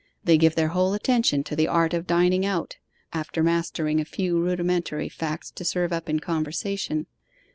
They give their whole attention to the art of dining out, after mastering a few rudimentary facts to serve up in conversation.